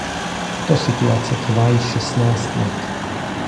Tato situace trvá již šestnáct let.